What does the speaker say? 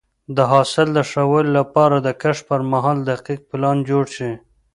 د حاصل د ښه والي لپاره د کښت پر مهال دقیق پلان جوړ شي.